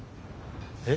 えっ？